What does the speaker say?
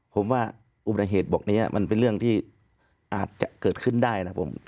ผมว่าอุบัติเหตุบอกนี้มันเป็นเรื่องที่อาจจะเกิดขึ้นได้นะผม